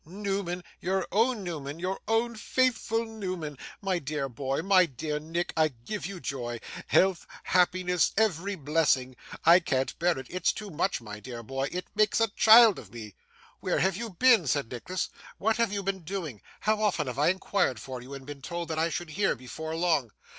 Newman, your own Newman, your own old faithful Newman! My dear boy, my dear Nick, I give you joy health, happiness, every blessing! I can't bear it it's too much, my dear boy it makes a child of me!' 'Where have you been?' said Nicholas. 'What have you been doing? How often have I inquired for you, and been told that I should hear before long!